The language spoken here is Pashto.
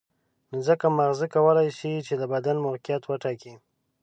نو ځکه ماغزه کولای شي چې د بدن موقعیت وټاکي.